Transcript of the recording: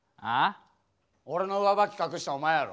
俺の上履き隠したんお前やろ。